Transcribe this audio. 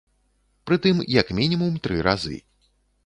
Прытым як мінімум тры разы.